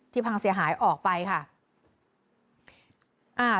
พังเสียหายออกไปค่ะ